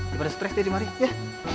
gapapa stress jadi mari ya